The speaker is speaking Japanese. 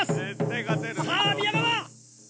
さぁ宮川。